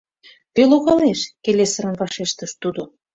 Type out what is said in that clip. — Кӧ логалеш, — келесырын вашештыш тудо.